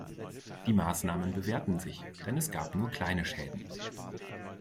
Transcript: Die Massnahmen bewährten sich, denn es gab nur kleine Schäden.